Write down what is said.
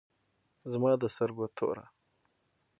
زما د سترگو تور